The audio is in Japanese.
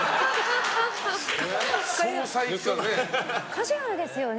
カジュアルですよね。